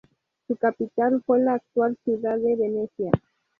Su capital fue la actual ciudad de Venecia.